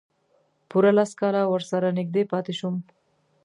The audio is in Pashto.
پوره لس کاله ورسره نږدې پاتې شوم.